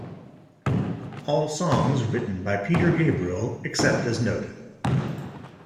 All songs written by Peter Gabriel except as noted.